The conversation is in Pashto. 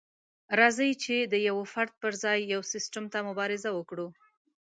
راځئ چې د يوه فرد پر ځای يو سيستم ته مبارزه وکړو.